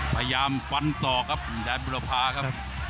พยายามปันซอครับแดยนบุรภาครับ